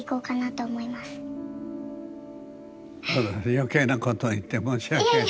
余計なことを言って申し訳ありません。